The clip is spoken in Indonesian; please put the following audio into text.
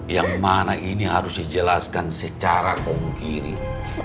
yang mana ini harus dijelaskan secara kongkirim